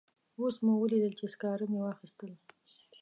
اوس مو ولیدل چې سکاره مې واخیستل.